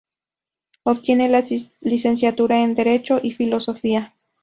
Obtiene la licenciatura en Derecho y Filosofía.